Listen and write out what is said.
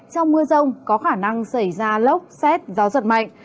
trong mưa rông có khả năng xảy ra lốc xét gió giật mạnh